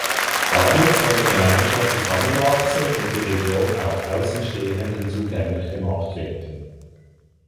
Damit soll die Gemeinschaft zusammenwachsen und die Region auch Außenstehenden zugänglich gemacht werden.